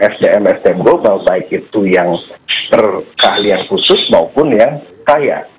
sdm sdm global baik itu yang berkeahlian khusus maupun yang kaya